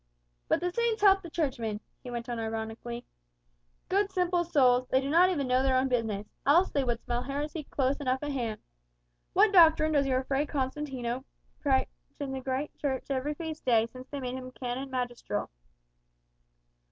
"But the saints help the Churchmen," he went on ironically. "Good simple souls, they do not know even their own business! Else they would smell heresy close enough at hand. What doctrine does your Fray Constantino preach in the great Church every feast day, since they made him canon magistral?"